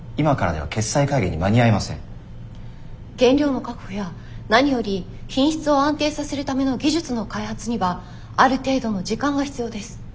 原料の確保や何より品質を安定させるための技術の開発にはある程度の時間が必要です。